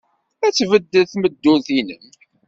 Ad tbeddel tmeddurt-nnem.